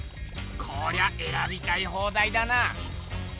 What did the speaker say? こりゃえらびたい放題だな！